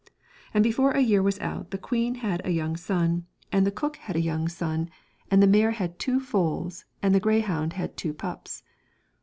And before a year was out, the queen had a young son, and the cook had a young son, and the mare had two foals, Dreams ... ill that have and the greyhound had two pups.